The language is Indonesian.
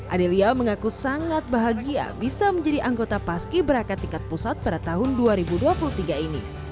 adelia mengaku sangat bahagia bisa menjadi anggota paski berakat tingkat pusat pada tahun dua ribu dua puluh tiga ini